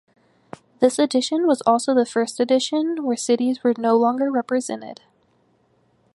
This edition was also the first edition where cities were no longer represented.